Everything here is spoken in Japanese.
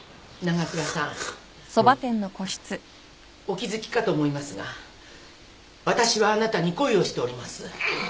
お気付きかと思いますが私はあなたに恋をしております。